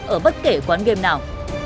ở bất kể quán game nào